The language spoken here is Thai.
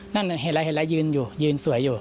นั่นเห็นแล้วยืนอยู่ยืนสวยอยู่